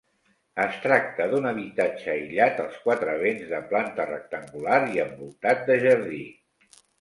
Es tracta d'un habitatge aïllat als quatre vents de planta rectangular i envoltat de jardí.